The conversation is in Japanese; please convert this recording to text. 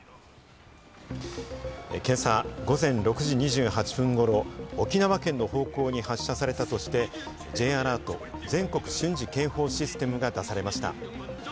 今朝午前６時２８分ごろ、沖縄県の方向に発射されたとして、Ｊアラート＝全国瞬時警報システムが出されました。